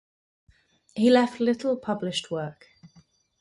He left little published work.